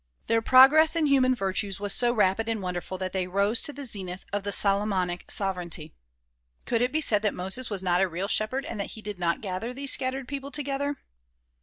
Their progress in human virtues was so rapid and wonderful that they rose to the zenith of the Solomonic sovereignty. Could it be said that Moses was not a real shepherd and that he did not gather these scattered people together?